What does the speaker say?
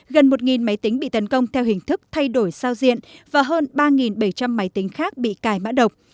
gần một máy tính bị tấn công theo hình thức thay đổi giao diện và hơn ba bảy trăm linh máy tính khác bị cài mã độc